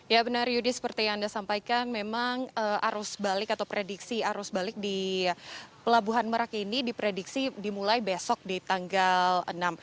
ya benar yudi seperti yang anda sampaikan memang arus balik atau prediksi arus balik di pelabuhan merak ini diprediksi dimulai besok di tanggal enam